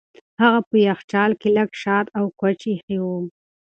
هغه په یخچال کې لږ شات او کوچ ایښي وو.